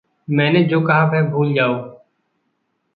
मैंने जो कहा वह भूल जाओ।